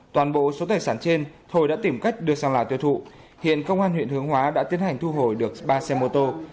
toàn bộ số tài sản trên thồi đã tìm cách đưa sang lào tiêu thụ hiện công an huyện hướng hóa đã tiến hành thu hồi được ba xe mô tô